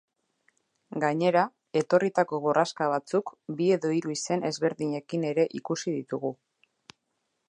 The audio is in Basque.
Gainera, etorritako borraska batzuk bi edo hiru izen ezberdinekin ere ikusi ditugu.